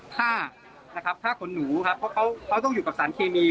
ผ้านะครับผ้าขนหนูครับเพราะเขาต้องอยู่กับสารเคมี